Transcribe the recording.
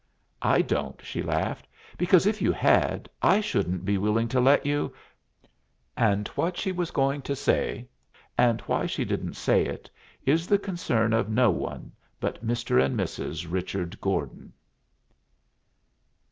"I don't," she laughed, "because, if you had, I shouldn't be willing to let you " And what she was going to say, and why she didn't say it, is the concern of no one but Mr. and Mrs. Richard Gordon.